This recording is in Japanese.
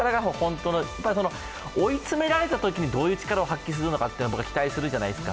ただ追い詰められたときに、どういう力を発揮するかを期待するじゃないですか。